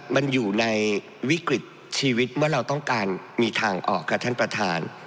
มันอยู่ในวิกฤตชีวิตเมื่อเราต้องการมีทางออกค่ะท่านประธาน